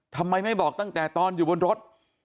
ทำไมไม่บอกตั้งแต่ตอนอยู่บนรถ